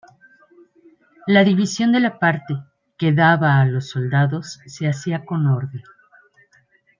La división de la parte que daba a los soldados se hacía con orden.